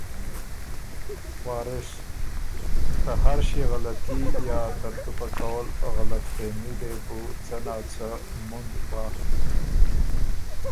وارث: ته هر ݭيې غلطي یا ترتُو پۀ قول غلطفهمي دې بُو څۀ نا څۀ مُنډ بَۀ۔